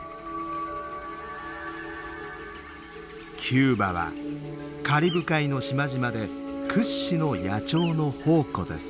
キューバはカリブ海の島々で屈指の野鳥の宝庫です。